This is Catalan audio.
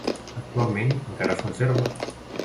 Actualment encara es conserva.